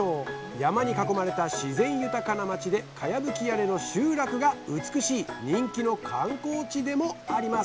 山に囲まれた自然豊かな町でかやぶき屋根の集落が美しい人気の観光地でもあります